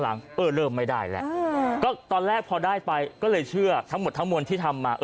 เออเริ่มไม่ได้แล้วก็ตอนแรกพอได้ไปก็เลยเชื่อทั้งหมดทั้งมวลที่ทำมา